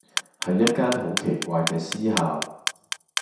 係一間好奇怪嘅私校⠀